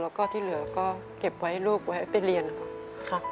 แล้วก็ที่เหลือก็เก็บไว้ให้ลูกไว้ไปเรียนค่ะ